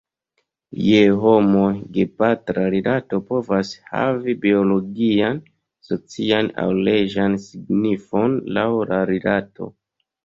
Je homoj, gepatra rilato povas havi biologian, socian, aŭ leĝan signifon, laŭ la rilato.